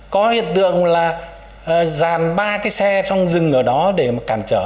có hiện tượng là dàn ba cái xe trong rừng ở đó để mà cản trở